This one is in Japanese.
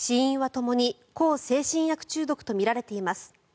ともに向精神薬中毒とみられています。